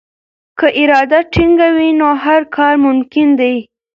که اراده ټینګه وي نو هر کار ممکن دی.